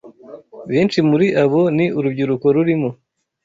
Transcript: benshi muri abo ni urubyiruko rurimo